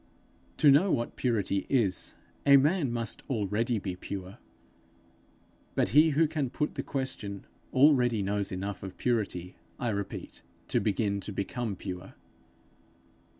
To know what purity is, a man must already be pure; but he who can put the question, already knows enough of purity, I repeat, to begin to become pure.